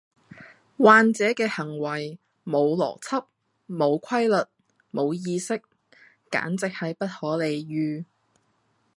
患者嘅行為無邏輯、無規律、無意識，簡直係不可理喻